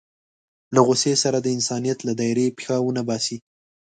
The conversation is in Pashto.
له غوسې سره د انسانيت له دایرې پښه ونه باسي.